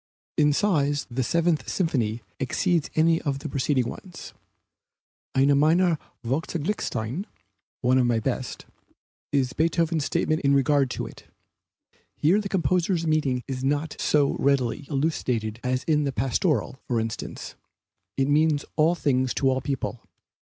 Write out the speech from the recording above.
In size the Seventh Symphony exceeds any of the preceding ones. "Eine meiner vorzüglichsten" (one of my best), is Beethoven's statement in regard to it. Here the composer's meaning is not so readily elucidated as in the Pastoral, for instance. It means all things to all people.